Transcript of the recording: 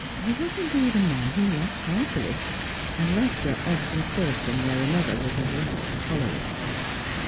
He was, indeed, a man who laughed heartily, and laughter often served him where another would have waxed choleric.